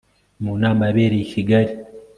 mu nama yabereye i kigali